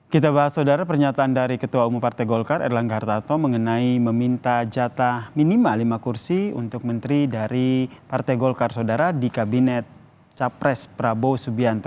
kita bahas saudara pernyataan dari ketua umum partai golkar erlangga hartarto mengenai meminta jatah minimal lima kursi untuk menteri dari partai golkar saudara di kabinet capres prabowo subianto